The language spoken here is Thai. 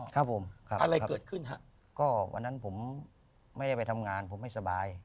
ครับผมอะไรเกิดขึ้นฮะก็วันนั้นผมไม่ได้ไปทำงานผมไม่สบาย